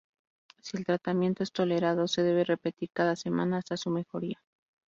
Si el tratamiento es tolerado se debe repetir cada semana hasta su mejoría.